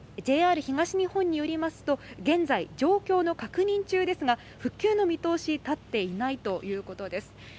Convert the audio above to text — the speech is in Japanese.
ＪＲ東日本によりますと現在、状況の確認中ですが復旧の見通しは立っていないということです。